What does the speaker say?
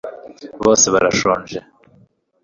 bose barashonje